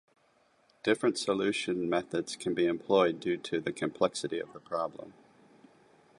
Different solution methods can be employed due to complexity of the problem.